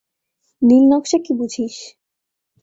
নীলনকশা কী বুঝিস?